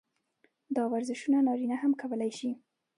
دا ورزشونه نارينه هم کولے شي -